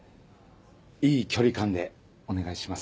いい距離感でお願いします。